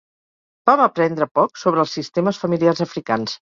Vam aprendre poc sobre els sistemes familiars africans.